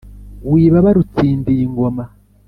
wibabara utsindiye ingoma